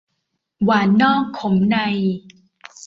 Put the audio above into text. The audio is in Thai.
หวานนอกขมใน